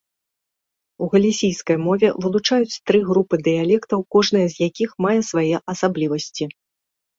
У галісійскай мове вылучаюць тры групы дыялектаў, кожная з якіх мае свае асаблівасці.